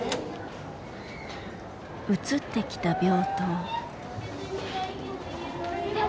移ってきた病棟。